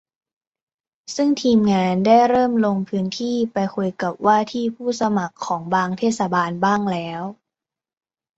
ซึ่งทีมงานได้เริ่มลงพื้นที่ไปคุยกับว่าที่ผู้สมัครของบางเทศบาลบ้างแล้ว